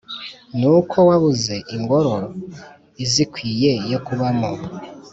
Ni uko wabuze ingoro izikwiye yo kubamo